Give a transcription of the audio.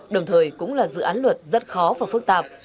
đồng thời cũng là dự án luật rất khó và phức tạp